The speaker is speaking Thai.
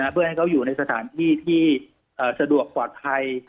เพื่อให้เขาอยู่ในสถานที่ที่สะดวกปลอดภัย